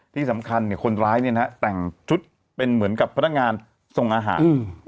ที่สำคัญคนร้ายแต่งชุดเป็นเหมือนกับพนักงานส่งอาหาร